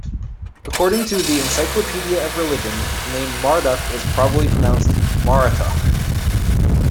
According to "The Encyclopedia of Religion", the name "Marduk" was probably pronounced "Marutuk".